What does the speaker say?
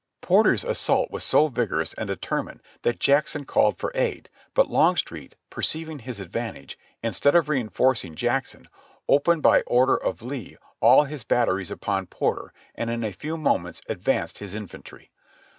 Porter's assault was so vigorous and determined that Jackson called for aid, but Longstreet, perceiving his advantage, instead of reinforcing Jackson, opened by order of Lee all his batteries upon Porter, and in a few moments advanced his infantry.